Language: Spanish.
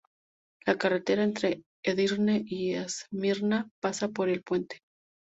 La carretera entre Edirne y Esmirna pasa por el puente.